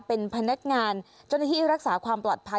เป็นพนักงานเจ้าหน้าที่รักษาความปลอดภัย